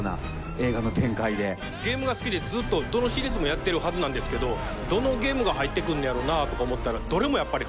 ゲームが好きでどのシリーズもやってるはずなんですけどどのゲームが入ってくんのやろなとか思ったらどれも入ってきて。